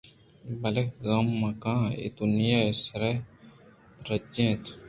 بلئے غم مہ کن اے دنیا ئے سرئے درٛاجیں اِنت